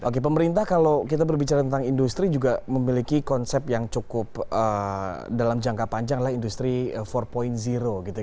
oke pemerintah kalau kita berbicara tentang industri juga memiliki konsep yang cukup dalam jangka panjang adalah industri empat gitu ya